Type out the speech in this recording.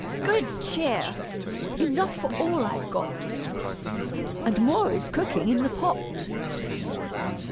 Good cheer, enough for all I've got, And more is cooking in the pot."